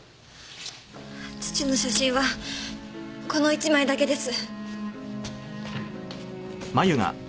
父の写真はこの１枚だけです。